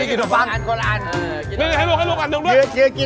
เก่งลูก